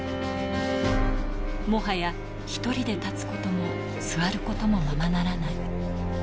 もはや、１人で立つことも、座ることもままならない。